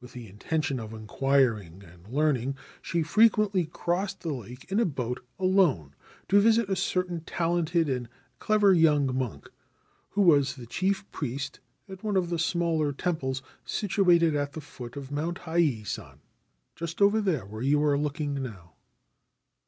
With the intention of inquiring and learning, she frequently crossed the lake in a boat alone, to visit a certain talented and clever young 49 7 Ancient Tales and Folklore of Japan monk, who was the chief priest at one of the smaller temples situated at the foot of Mount Hiyei San, just over there where you are looking now.